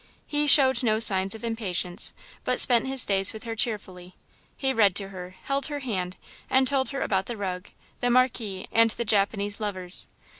He showed no signs of impatience, but spent his days with her cheerfully. He read to her, held her hand, and told her about the rug, the Marquise, and the Japanese lovers.